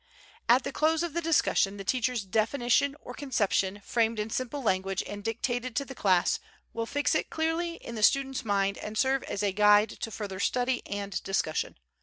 At the close of the discussion, the teacher's definition or conception, framed in simple language and dictated to the class will fix it clearly in the student's mind and serve as a guide to further study and discussion.